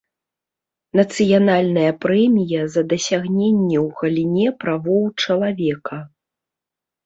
Нацыянальная прэмія за дасягненні ў галіне правоў чалавека.